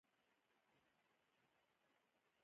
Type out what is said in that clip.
په دې وخت کې ماشوم د نورو پاملرنې ته اړتیا لري.